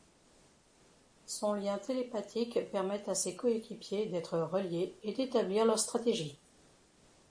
Son lien télépathique permet à ses coéquipiers d'être reliés et d'établir leurs stratégies.